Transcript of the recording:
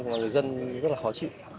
mà người dân rất là khó chịu